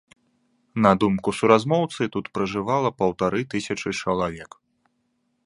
На думку суразмоўцы, тут пражывала паўтары тысячы чалавек.